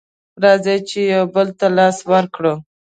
راځئ چې يو بل ته لاس ورکړو